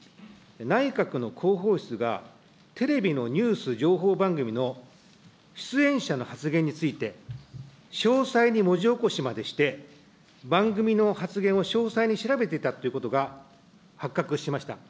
内閣の広報室が、テレビのニュース、情報番組の出演者の発言について、詳細に文字起こしまでして、番組の発言を詳細に調べていたということが発覚しました。